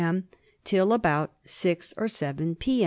m till about six or seven p.